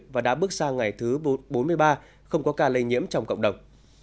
và đã bước sang ngày thứ bốn mươi ba không có ca lây nhiễm trong cộng đồng